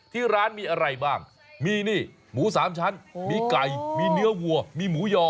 ที่ร้านมีอะไรบ้างมีนี่หมูสามชั้นมีไก่มีเนื้อวัวมีหมูยอ